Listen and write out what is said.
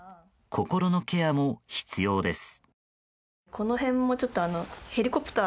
心のケアも必要です。